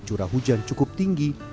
curah hujan cukup tinggi